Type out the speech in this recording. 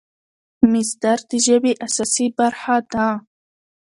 مصدر د ژبي اساسي برخه ده.